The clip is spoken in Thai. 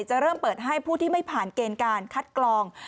จะเริ่มเปิดให้ผู้ที่ไม่ผ่านเกณฑ์การคัดกรอง